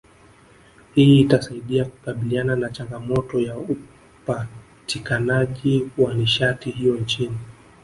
Hii itasaidia kukabiliana na changamoto ya upatikanaji wa nishati hiyo nchini